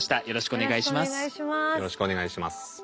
よろしくお願いします。